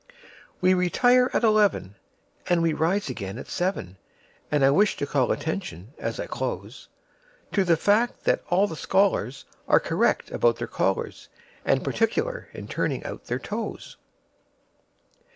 We retire at eleven, And we rise again at seven; And I wish to call attention, as I close, To the fact that all the scholarsAre correct about their collars, And particular in turning out their toes.